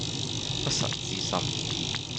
不臣之心